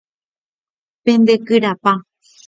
Pendekyrapa.